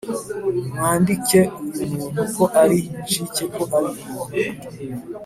Nimwandike uyu muntu ko ari incike ko ari umuntu